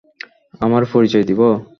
আমার পরিচয় দিব?